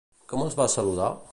Com els va saludar?